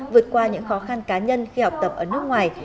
vượt qua những khó khăn cá nhân khi học tập ở nước ngoài